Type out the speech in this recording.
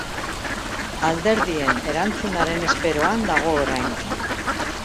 Alderdien erantzunaren esperoan dago orain.